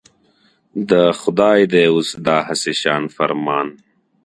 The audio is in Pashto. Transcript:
د خدای دی اوس دا هسي شان فرمان.